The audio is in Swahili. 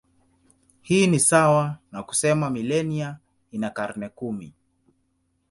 Hii ni sawa na kusema milenia ina karne kumi.